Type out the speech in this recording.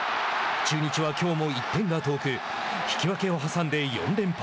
中日は、きょうも１点が遠く引き分けを挟んで４連敗。